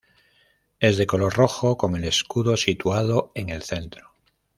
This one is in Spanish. Es de color rojo con el escudo situado en el centro.